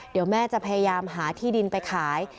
เดี๋ยวแม่จะพยายามหาที่ดินไปขาย